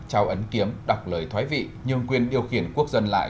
trao ấn kiếm đọc lời thoái vị nhưng quyền điều khiển quốc dân lại